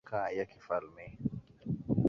ujio wa wafaransa ulidhoofisha mamlaka ya kifalme